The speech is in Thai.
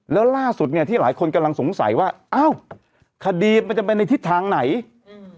แล้วล่าสุดเนี้ยที่หลายคนกำลังสงสัยว่าอ้าวคดีมันจะไปในทิศทางไหนอืม